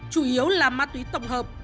chủ yếu là ma túy tổng hợp